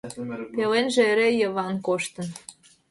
Пеленже эре Йыван коштын.